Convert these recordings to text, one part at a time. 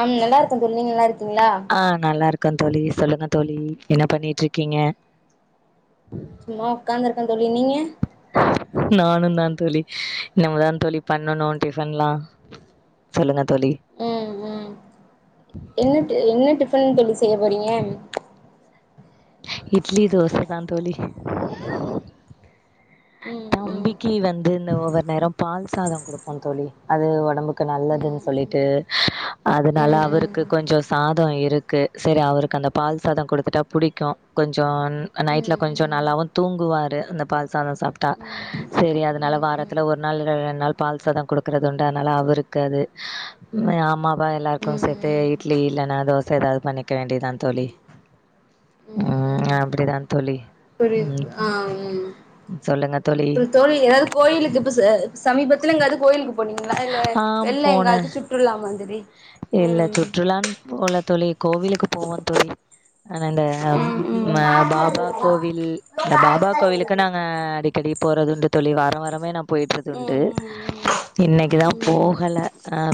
ஆம் நல்லா இருக்கே தோழி நீங்க நல்லா இருக்கீங்களா ஆ நல்லா இருக்கே தோழி சொல்லுங்க தோழி என்ன பண்ணிட்டு இருக்கீங்க சும்மா உக்காந்திருக்கே தோழி நீங்க நானுந்தா தோழி இனிமே தா தோழி பண்ணணு டிபன்லா சொல்லுங்க தோழி ம் ம் என்ன என்ன டிபன் தோழி செய்ய போறீங்க இட்லி தோசதா தோழி ம் ம் தம்பிக்கு வந்து இந்த ஒவ்வொரு நேரோ பால் சாதோ குடுப்போ தோழி அது ஒடம்புக்கு நல்லதுன்னு ம் சொல்லிட்டு ம் ம் அதனால ம் அவருக்கு கொஞ்சோ சாதோ இருக்கு செரி அவருக்கு அந்த பால் சாத குடுத்துட்டு புடிக்கு கொஞ்சோ ம் நைட்ல்ல ம் ம் கொஞ்சோ ம் நல்லாவு தூங்குவாரு அந்த பால் சாத சாப்ட்டா ம் ம் சேரி அதனால வாரத்துல ஒரு நாள் ரெண்டு நாள் பால் சாத குடுக்கறதுண்டு அதனால அவருக்கு அது ஆமாப்பா ம் எல்லாருக்கு ம் சேத்து இட்லி இல்லன்னா தோச ஏதாவது பண்ணிக்க வேண்டிதா தோழி ம் ஆ ம் அப்பிடி தா தோழி ம் புரியுது ஆ ம் அப்றோ தோழி ஏதா கோயிலுக்கு இப்ப சமீபத்துல எங்காவது கோயிலுக்கு போனீங்களா இல்ல ஆ வெள்ல போனேன். எங்காவது சுற்றுலா மாதிரி ம் போகல தோழி கோவிலுக்கு போவோ தோழி ஆனா இந்த ம் ம் ஆ பாபா கோவில் இந்த பாபா கோவிலுக்கு நாங்க அடிக்கடி போறது உண்டு தோழி வாரம் வாரமே நா போயட்டுறது ம் உண்டு ம் இன்னிக்கி தா ம் ம் போகல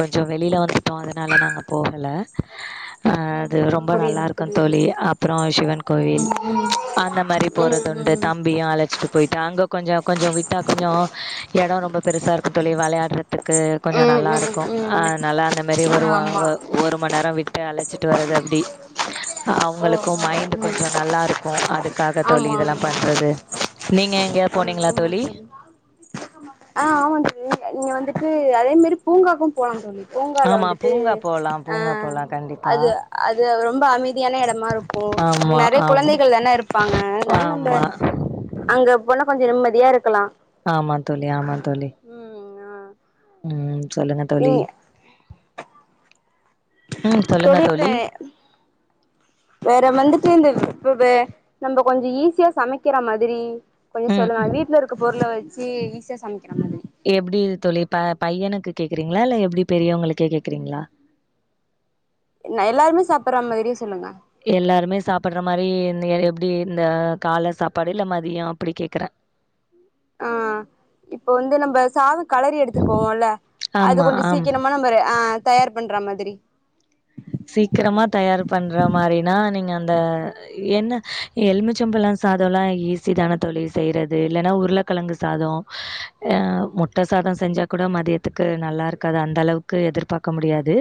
கொஞ்சோ வெளில வந்துட்டோ அதனால நாங்க போகல ஆஹ் ஆ அது ரொம்ப நல்லா இருக்கு தோழி அப்றோ சிவன் ம் கோவில் ம் ம் அந்த மாரி போறதுண்டு ம் தம்பியு அழச்சிட்டு போயிட்டா அங்க கொஞ்சோ கொஞ்சோ விட்டா கொஞ்சோ எடோ ரொம்ப பெருசா இருக்கு தோழி வெளாட் த்துக்கு கொஞ்ச ம் நல்லாருக்கு ஆ ம் ம் நல்லா அந்த மாரி ஒரு வா ஆமா ஒ ஒரு மணி நேர விட்டு அழச்சிட்டு வரது அப்டி ஓ அவங்களுக்கு ஓ மைண்ட்டு ம் கொஞ்ச நல்லாருக்கு அதுக்காக ஆமா தோழி இதெல்லா பண்றது நீங்க எங்கேயாவது அ போனீங்களா ஆமா தோழி ஆ ஆமா தோழி நீங்க வந்துட்டு அதே மாரி பூங்காக்கு போலா தோழி பூங்கால ஆமா. வந்துட்டு பூங்கா போலாம், ஆ பூங்கா போலாம் கண்டிப்பா. அது அது ரொம்ப அமைதியான எடமா இருக்கும் ஆமா, நெறைய ஆமா. குழந்தைகள் தானே இருப்பாங்க அதனால நம்ம ஆமா. அங்க போனா கொஞ்ச நிம்மதியா இருக்கலா ஆமா தோழி ஆமா தோழி ம் ஆ ம் சொல்லுங்க தோழி நீங்க ம். சொல்லுங்க சொல்லிப்புடுவே தோழி. வேற வந்துட்டு இந்த வே வே நம்ம கொஞ்ச ஈஸியா சமைக்கிற மாதிரி கொஞ்ச ம் சொல்லுங்க வீட்ல இருக்க பொருள வச்சி ஈஸியா சமைக்கிற மாரி எப்டி தோழி ப பையனுக்கு கேக்குறீங்ளா இல்ல எப்டி பெரியவங்களுக்கே கேக்குறீங்ளா என்ன எல்லாருமே சாப்பற மாதிரியே சொல்லுங்க எல்லாருமே சாப்பட்ற மாரி என் எப்டி இந்த கால சாப்பாடு இல்ல மதிய அப்டி கேக்குறே ஆ இப்ப வந்து நம்ம சாத கலறி எடுத்திட் போவோல்ல அது ஆமா கொஞ்ச ஆம் சீக்கிரமா நம்ம ஆ தயார் பண்ற மாதிரி சீக்கிரமா தயார் பண்ற மாரினா நீங்க அந்த என்ன எலுமிச்சபழ சாதலா ஈஸி தானே தோழி செய்றது இல்லன்னா உருளக்கெழங்கு சாதோ அ முட்ட சாத செஞ்சா கூட மதியத்துக்கு நல்லா இருக்காது அந்த அளவுக் கு எதிர்பாக்க முடியாது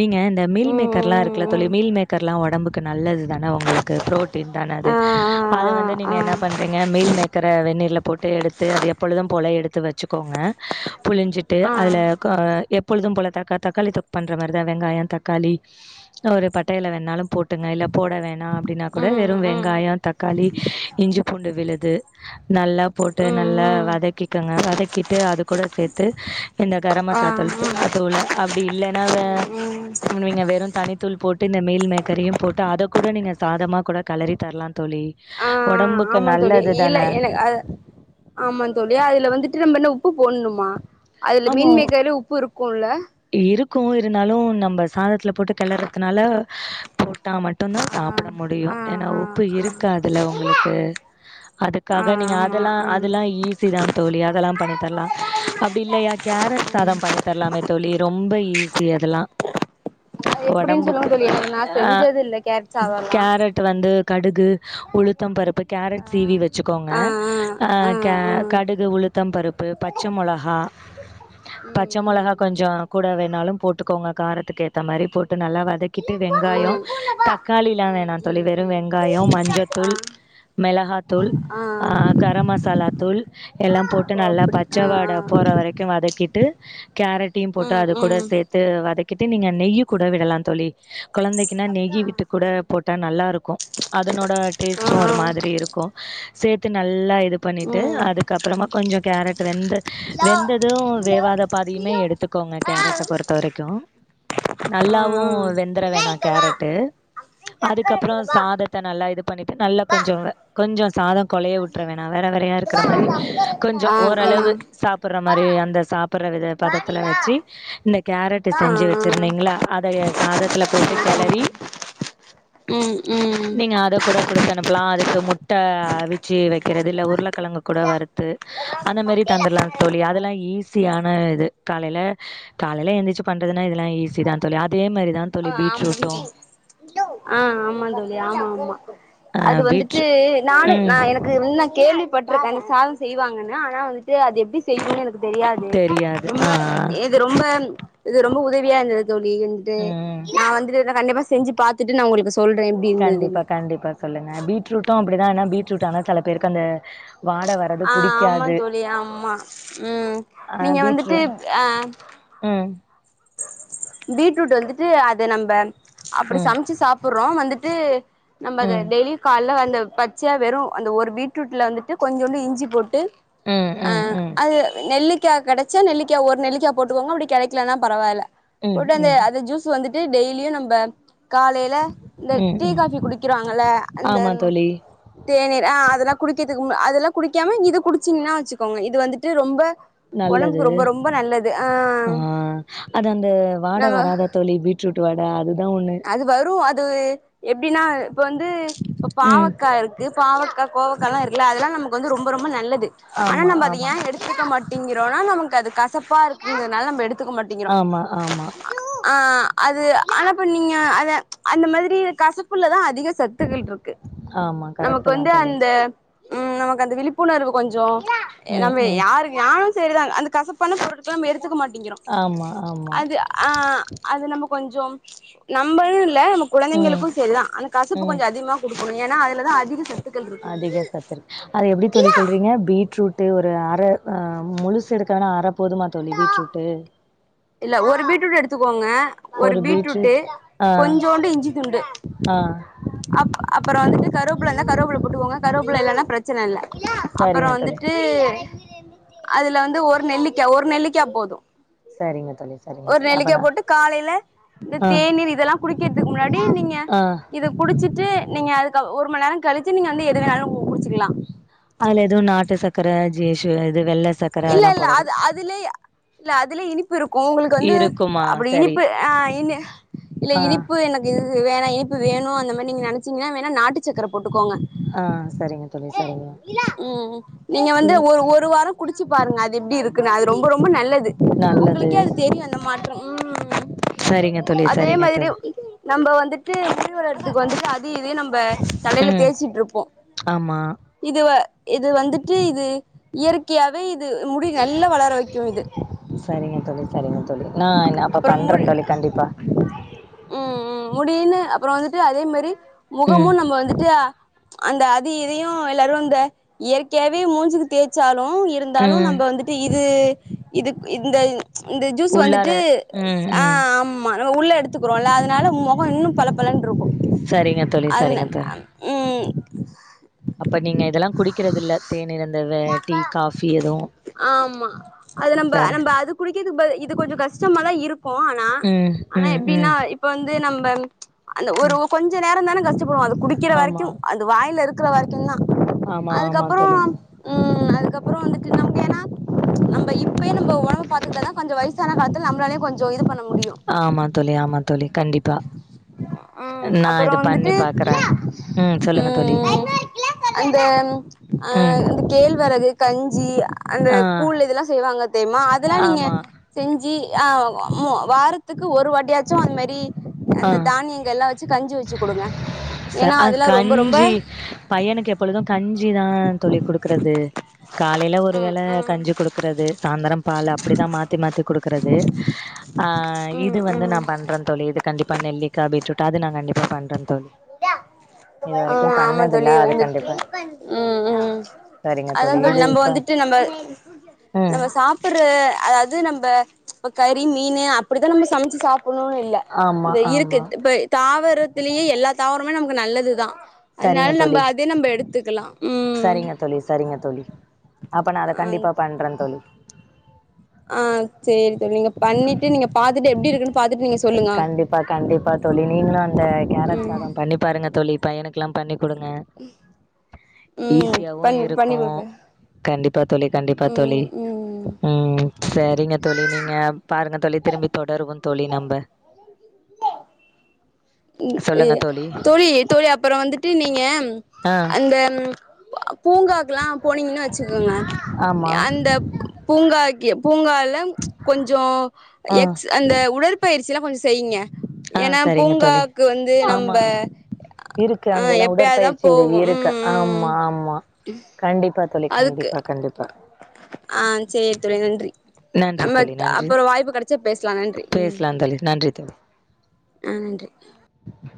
நீங்க இந்த மீல் ம் மேக்கர்லா ம் இருக்குல தோழி ம் மீல் மேக்கர்லா ஒடம்புக்கு நல்லது தானே ஒங்களுக்கு புரோட்டீன் தானே அது ஆ அத ஆ வந்து ஆ நீங்க ஆ என்னா பண்ணுறீங்க மீல் மேக்கர வென்நீர்ல போட்டு எடுத்து அது எப்பொழுது போல எடுத்து வச்சிக்கோங்க புழிஞ்சிட்டு ஆ அதுல க எப்பொழுது போல தக்கா தக்காளி தொக் பண்ற மார் தா வெங்காய தக்காளி ஒரு பட்டையில வேணாலு போட்டுங்க இல்ல போட வேணா அப்டின்னா கூட ம் வெறு ம் ம் வெங்காய தக்காளி இஞ்சி பூண்டு விழுது நல்லா போட்டு நல்லா ம் வதக்கிகங்க வதக்கிட்டு அது கூட சேத்து இந்த கர ஆ மசா தூள் தூள் ம் தூள அப்டி இல்லன்னா வே ம் நீங்க வெ ரு தனித்தூள் போட்டு இந்த மீல் மேக்கரையு போட்டு அத கூட நீங்க சாதமாக கூட கெலறி தரலா தோழி ஆ ஒடம்புக்கு ஆமா தோழி நல்லது இல்ல தானே எனக்கு அது ஆமா தோழி அதுல வந்துட்டு நம்ம என்ன உப்பு போட்ணுமா அதுல மீன் மேக்ர்லே உப்பு இருக்குல்ல இருக்கு இருந்தாலு நம்ம சாதத்துல போட்டு கெளறதுனால போட்டா மட்டுதா ஆ சாப்ட முடியு ஆ ஏனா ஆ உப்பு ஆ இருக்காதுல ஒங்ளுக்கு ஆ அதுக்காக நீங்க ஆமா அதெல்லா ஆ ம் அதெல்லா ஈஸி தா தோழி அதெல்லா பண்ணி தர்லா அப்டி இல்லயா கேரட் சாதம் பண்ணி தர்லாமே தோழி ரொம்ப ஈஸி அதெல்லா அது எப்டின்னு சொல்லுங்க ஒடம்புக்கு தோழி எனக்கு நா செஞ்சது இல்ல கேரட் சாதோல்லா கேரட் ட்டு வந்து கடுகு உளுத்தம் பருப்பு ஆ கேரட் சீவி வச்சிக்கோங்க ஆ ஆ அ ஆ க ஆ கடுகு உளுத்தம் பருப்பு பச்ச மொளகா ம் பச்ச ம் மொளகா கொஞ்ச கூட வேணாலு போட்டுக்கோங்க காரத்துக்கு ஏத்த மாரி போட்டு நல்லா வதக்கிட் ட்டு ஆ ஆமா வெங்காயோ தக்காளிலா வேணா தோழி ம் வெறு ம் வெங்காயம் ஆ மஞ்சதூள் மெளகாத்தூள் ஆ கர மசாலா தூள் எல்லா போட்டு ஓ நல்லா அப்டி ஆ பச்சவாட ஆ போற வரைக்கு வதக்கிட்டு கேரட்டையும் போட்டு ம் அது கூட ம் சேர்த்து வதைக்கிட்டு நீங்க நெய்யி கூட விடலாம் தோழி கொழந்தைக்குனா நெய் வி ட்டு கூட போட்டா நல்லா இருக்கும் அதனோட ஆ டேஸ்ட்டும் ஒரு ஆ மாதிரி இருக்கும் சேர்த்து நல்லா இது பண்ணிட்டு ம் அதுக்கப்புறமா கொஞ்சம் கேரட் வெந்து வெந்ததும் வேவாத பாதியுமே எடுத்துக்கோங்க கேரட்டை பொறுத்த வரைக்கும் நல்லாவும் ம் வெந்திர வேணாம் கேரட்டு அதுக்கப்றோ சாதத்தை நல்லா இது பண்ணிட்டு நல்லா கொஞ்சம் கொஞ்சம் சாதம் கொழைய விட்டுற வேணாம் வெற வெறையா இருக் கிற மாரி கொஞ்சம் ஓரளவு சாப்புடுற மாரி அந்த சாப்புடுற வித பதத்துல வச்சு இந்த கேரட்டு செஞ்சு வச்சிருந்தீங்களா அத சாதத்துல போட்டு கேளரி ம் ம் நீங்க அதை கூட குடுத்து அனுப்பலாம் அதுக்கு முட்டை அவிச்சு வைக்கிறது இல்ல உருளைக்கெழங்கு கூட வறுத்து து அந்த மாரி தந்திரலா தோழி அதெல்லா ஈஸியான இது காலையில காலைய எந்திரி பண்றதுனா இதெல்லா ஈஸி தா தோழி அதே மாரிதா தோழி ஆ ஆமா பீட்ரூட்டும் ஆ ஆமா தோழி ஆமா ஆமா ஆ அது வந்துட்டு பீட்ரு நானு நா ம் என க்கு முன்ன கேள்விப்பட்டிருக்கேன் சாதம் செய்வாங்கன்னு ஆனா வந்துட்டு அது எப்டி செய்யும்னு எனக்கு தெரியாது தெரியாது ரொம்ப ஆ இது ரொம்ப இது ரொம்ப உதவியா இருந்தது தோழி இருந்துட்டு ஆ. ம் நா வந்துட்டு கண்டிப்பா செஞ்சு பாத்துட்டு நா உங்களுக்கு சொல்றேன் கண்டிப்பா கண்டிப்பா சொல்லுங்க பீட்ரூட்டும் அப்டிதான் என்னா பீட்ரூட் ஆனா சில பேருக்கு அந்த வாட வந் ஆ ஆமா தோழி ஆமா ம் ஆ நீங்க பீட்ரு வந்துட்டு அ ம் பீட்ரூட் வந்துட்டு அத நம்ம அப்டி ம் சமைச்சு சாப்பிடுறோம் வந்துட்டு நம்ம அது ம் டெய்லி கால்ல அந்த பச்சையா வெறும் அந்த ஒரு பீட்ரூட்ல வந்துட்டு கொஞ்சோண்டு இஞ்சி போட்டு ம் ஆ ம் ம் ம் அது நெல்லிக்காய் கிடைச்சா நெல்லிக்காய் ஒரு நெல்லிக்காய் போட்டுக்கோங்க அப்டி கடைக்கலனா பரவாயில்ல போட்டு அந்த ம் ம். அந்த ஜூஸ் வந்துட்டு டெய்லியும் நம்ப காலையில இந்த ம் டீ ம் காபி குடிக்கிறாங்கல ஆமா தோழி தேநீர் ஆ அதெல்லா குடிக்கிறதுக்கு அதெல்லா குடிக்காம இத குடிச்சிங்கனா வச்சுக்கோங்க இது வந்துட்டு ரொம்ப நல்லது ஒடம்புக்கு ரொம்ப ரொம்ப நல்லது ஆ அது அந்த வாட நம்ம வராத தோழி பீட்ரூட் வாட அதுதா ஒண்ணு அது வரும் அது எப்டின்னா இப்போ வந்து ம் பாவக்காய் இருக் பாவக்க கோவக்கல்லா இருக்குல அதெல்லா நமக்கு வந்து ரொம்ப ரொம்ப நல்லது ஆனா ஆமா நம்ம அது ஆமா ஏன் எடுத் எடுத்துக்க மாட்டேங்கிறோம்னா நமக்கு அது கசப்பா இருக்குங்கதுனால நம்ம எடுத்துக்க மாட்டேங்கிறோம் ஆமா ஆமா ஆ அது ஆனாப்ப நீங்க அத அந்த மாதிரி கசப்புள்ளதா அதிக சத்துகள் இருக்கு ஆமா நமக்கு கரெக்ட்டு தா வந்து தோழி அந்த ம் நமக்கு அந்த விழிப்புணர்வு கொஞ்சம் ம் நம்ம ம் யாரு நானும் செரிதா அந்த கசப்பான பொருட்களல்லா எடுத்துக்க மாட்டேங்கிறோம் ஆமா ஆமா அது ஆ அது நம்ம கொஞ்சம் நம்பனு இல்ல அ ம் குழந்தைங்கக்கும் செரி தா அந்த கசப்பு ம் கொஞ்சம் அதிகமாக குடுக்கணும் ஏன்னா அதுல தா அதிக ச அதிக சத்துருக்க அது எப்டி தோழி சொல்றீங்க பீட்ரூ ட்டு ஒரு அரை முழுசு எடுக்கவேனா அரை போதுமா தோழி பீட்ரூட்டு இல்ல ஒரு பீட்ரூட்டு எடுத்துக்கோங்க ஒரு பீட்ரூட்டு் பீட்ரூட் ஆ கொஞ்சோண்டு இஞ்சி துண்டு ஆ அப் அப்றோ வந்துட்டு கருவப்புள்ள இருந்தா கருவப்புள்ள போட்டுக்கோங்க கருவப்புள்ள இல்லனா பிர ச்சனை இல்ல அப்றோ சரிங்க தோழி வந்துட்டு அதுல வந்து ஒரு நெல்லிக்கா ஒரு நெல்லிக்கா போதும் சரிங்க தோழி சரிங்க ஒரு தோழி அப்ப நெல்லிக்கா நா போட்டு காலைல இந்த ஆ தேநீர் இதெல்லாம் குடிக்கிறதுக்கு முன்னாடி நீங்க ஆ இத குடிச்சிட்டு நீங்க அதுக்கு ஒரு மணி நேரம் கழிச்சு நீங்க வந்து எது வேணாலும் குடிச்சுக்கலாம் அதுல்ல இது நாட்டு சக்கர ஜேஷூ இது வெல்ல சக்கர இல்ல அதெல்லா இல்ல அது போடக்கூடா அதுலே இல்ல அதுலே இனிப்பு இருக்கும் உங்களுக்கு வந்து இருக்குமா அப்டி சரி இனிப்பு ஆ இனி இல்ல ஆ இனிப்பு எனக்கு இது வேணா இனிப்பு வேணும் அந்த மாதிரி நீங்க நீனைச்சீங்கன்னா வேணா நாட்டு சக்கர போட்டுக்கோங்க ஆ சரிங்க தோழி சரிங்க ம் நீங்க இ வந்து ஒரு ஒரு வாரம் குடிச்சு பாருங்க அது எப்டி இருக்குன்னு அது ரொம்ப ரொம்ப நல்லது நல்லது உங்களுக்கே அது தெரியும் அந்த மாற்றம் ம் சரிங்க தோழி அதே சரிங்க மாதிரி தோழி நம்ம வந்துட் டு முடி வளப்ன் ரயில் மஞ்சள் ஜி டயட் ஞ்சர்றதுக்கு வந்து அது இதே நம்ம தலையில ம் தேச்சிட்டு பயணம் ஆமா மரணம்இருப்போம் இது இது வந்துட்டு இது இயற்கையாவே இது முடி நல்லா வளர வைக்கும் இது சஙச்சம்ஞ்சரிங்க தோழி சரிங்க தோழி நான் அப்புறம் ம் ம் முடியுனு அப்புறம் வந்துட்டு அதே மாதிரி ம் முகமும் நம்ம வந்துட்டு அந்த அது இதையும் எல்லாரும் இந்த இயற்கையாவே மூஞ்சுக்கு தேய்ச்சாலும் இருந்தாலும் ம் நம்ப வந்துட்டு இது இது இந்த இந்த ஜூஸ் உள்ளார வந்துட்டு ம் ஆ ம் ஆமா உள்ள எடுத்துக்கிறோம்ல்ல அதனால உ முகம் இன்னும் பள பள இருக்கும் சரிங்க தோழி அதுல சரிங்க தோழி ம் அப்ப நீங்க இதெல்லாம் குடிக்றதில்ல தேனீர் என்னாக்கா ஆமா அது நம்ம சரி நம்ம அது குடிக்கதுக்கு இது கொஞ்சம் கஷ்டமா தான் இருக்கும் ஆனா ம் ஆனா ம் எப்டின்னா ம் இப்ப வந்து நம்ப அந்த ஒரு ம் கொஞ்சோ நேரம் தானே கஷ்டப்படுவோம் அது குடிக்கிற ஆமா வரைக்கும் அந்த வாயில இரு க்குற வரைக்கும் தான் ஆமா ஆமா அதுக்கப்பறம் தோழி ம் அதுக்கப்பறம் வந்து நமக்கு ஏன்னா நம்ம இப்பயே நம்ம உடம்ப பாத்துகிட்டா தான் கொஞ்சம் வயசு வயசான காலத்தில் நம்மளாலயு கொஞ்சம் இது பண்ண முடியும் ஆமா தோழி ஆமா தோழி கண்டிப்பா ஆ ம் அப்றோ வந்துட்டு ம் சொல்லுங்க தோழி ம் அந்த அ ம் அந்த கேழ்வரகு கஞ்சி அந்த ஆ கூழ் இதெலாம் செய்வாங்க [unintelligible] அதெல்லாம் நீங்க ஆமா செஞ்சு ஆ வாரத்துக்கு ஒரு வாட்டியாச்சும் அந்த மாரி ஆ அந்த தானியங்கலாம் வச்சு கஞ்சி வச்சு கொடுங்க ச ஏன்னா அ அதெலாம் ரொம்ப ரொம்ப கஞ்சி பையனுக்கு எப்பொழுதும் கஞ்சி தான் தோழி கொடுக்றது காலைல ஒரு ம் வேள கஞ்சி கொடுக்றது சாயந்தரம் பால் அப்டிதான் மாத்தி மாத்தி கொடுக்கறது ஆ ம் இது வந்து ம் நா ம் பண்றேன் தோழி கண்டிப்பா நெல்லிக்காய் பீட்ரூட் நா கண்டிப்பா பண்றேன் தோழி இது ம் வரைக்கு ஆமா ஆமா தோழி பண்ணதில்ல அது வந்துட்டு கண்டிப்பா ம் ம் சரிங்க அதான் தோழி இது நம்ம க வந்துட்டு நம்ம ம் நம்ம சாப் அற அதாவது நம்ப இப்ப கறி மீனு அப்டிதான் நம்ம சமைச்சு சாப்டணும்னு இல்ல ஆமா இந்த இருக்கு ஆமா இப்ப தாவரத்திலயே எல்லா தாவரமே நமக்கு நல்லது தான் அதனால சரிங்க நம்ப தோழி அதே நம்ப எடுத்துக்கலாம் ம் சரிங்க தோழி சரிங்க தோழி அப்ப நா அத கண்டிப்பா பண்றேன் தோழி ஆ சேரி த நீங்க பண்ணிட்டு நீங்க பாத்துட்டு எப்டி இருக்குன்னு பாத்துட்டு நீங்க சொல்லுங்க கண்டிப்பா கண்டிப்பா தோழி நீங்களும் அந்த கேரட் ம் சாதம் பண்ணி பாருங்க தோழி பையனுக்கெலாம் பண்ணி கொடுங்க ம் ஈஸியாவு பண்ணி பண்ணி இருக்கு குடுக்க கண்டிப்பா தோழி கண்டிப்பா தோழி ம் ம் ம் சரிங்க தோழி நீங்க பாருங்க தோழி திரும்பி தொடருவோ தோழி நம்ப ம் தோழி தோழி அப்பற வந்துட்டு நீங்க ஆ அந்த பூங்காக்கெலா போனீங்கன் வச்சுக்கோங்க ஆமா அந்த பூங்காக்கு பூங்கால கொஞ்சொ ஆ எக்ஸ் அந்த உடற்பயிற்சி எலா கொஞ்ச செய்ங்க ஆ சரிங்க தோழி ஆமா இருக்கு ஆ அங்கலா எப்பயாதுதா உடற்பயிற்சி போவோ இருக்கு ம் ம் ஆமா ஆமா கண்டிப்பா தோழி அதுக்கு கண்டிப்பா கண்டிப்பா ஆ சேரி தோழி நன்றி நன்றி நம்ம தோழி அப்பற வாய்ப்பு கெடச்சா பேசலா நன்றி ம் ழி நன்றி தோழி நன்றி